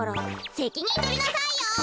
せきにんとりなさいよ！